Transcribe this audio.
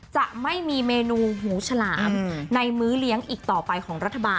จะไม่มีเมนูหูฉลามในมื้อเลี้ยงอีกต่อไปของรัฐบาล